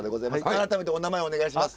改めてお名前お願いします。